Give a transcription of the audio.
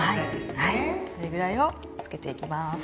はいこれくらいをつけていきます。